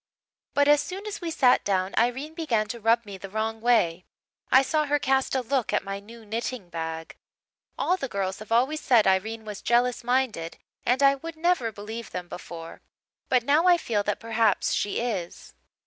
"But as soon as we sat down Irene began to rub me the wrong way. I saw her cast a look at my new knitting bag. All the girls have always said Irene was jealous minded and I would never believe them before. But now I feel that perhaps she is.